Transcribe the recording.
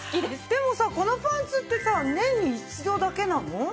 でもさこのパンツってさ年に１度だけなの？